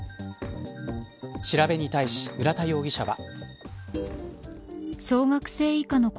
調べに対し、浦田容疑者は。